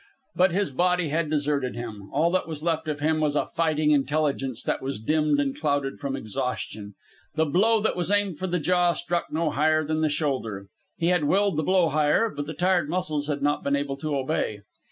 But his body had deserted him. All that was left of him was a fighting intelligence that was dimmed and clouded from exhaustion. The blow that was aimed for the jaw struck no higher than the shoulder. He had willed the blow higher, but the tired muscles had not been able to obey.